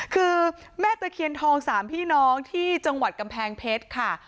คือแม่ตะเคียนทองสามพี่น้องที่จังหวัดกำแพงเพชรค่ะ